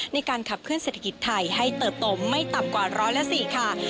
ในการขับเคลื่อเศรษฐกิจไทยให้เติบโตไม่ต่ำกว่าร้อยละ๔ค่ะ